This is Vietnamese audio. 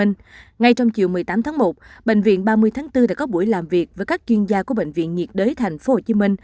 ngay trong chiều một mươi tám tháng một bệnh viện ba mươi tháng bốn đã có buổi làm việc với các chuyên gia của bệnh viện nhiệt đới tp hcm